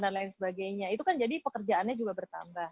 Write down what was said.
dan lain sebagainya itu kan jadi pekerjaannya juga bertambah